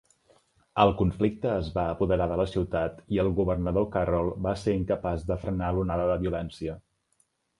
El conflicte es va apoderar de la ciutat i el governador Carroll va ser incapaç de frenar l'onada de violència.